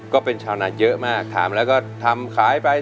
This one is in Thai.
ก็เป็นชาวนาเยอะมากถามแล้วก็ทำขายไป